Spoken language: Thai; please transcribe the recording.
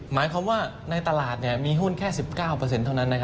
หมายความว่าในตลาดมีหุ้นแค่๑๙เท่านั้น